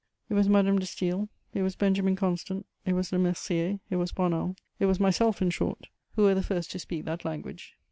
It was Madame de Staël, it was Benjamin Constant, it was Lemercier, it was Bonald, it was myself, in short, who were the first to speak that language.